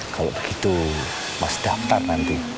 kalau begitu mas daftar nanti